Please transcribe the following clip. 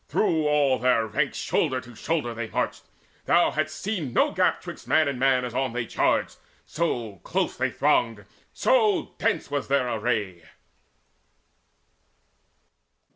Through all their ranks Shoulder to shoulder marched they: thou hadst seen No gap 'twixt man and man as on they charged; So close they thronged, so dense was their array.